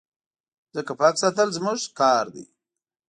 مځکه پاک ساتل زموږ کار دی.